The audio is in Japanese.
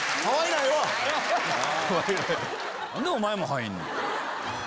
何でお前も入んねん！